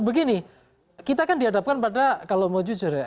begini kita kan dihadapkan pada kalau mau jujur ya